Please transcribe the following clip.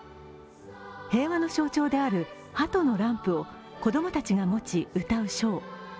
平和の象徴である鳩のランプを子供たちが持ち、歌うショー。